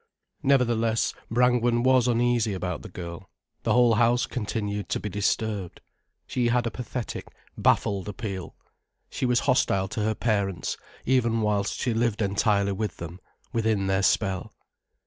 Nevertheless Brangwen was uneasy about the girl, the whole house continued to be disturbed. She had a pathetic, baffled appeal. She was hostile to her parents, even whilst she lived entirely with them, within their spell.